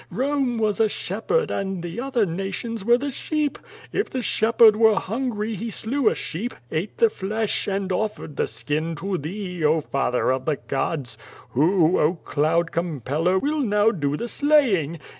Rome was a shepherd and tlie other nations were the sheep. If the shepherd were liungry he slew a sheep, ate the flesh, and offered the skin to thee, oh, father of the gods. WhOy oh, Cloud compeller, will now do the slaying?